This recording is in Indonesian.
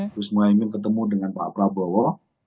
gusudah ingin ketemu dengan pak prabowo